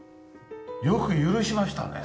よく許しましたね。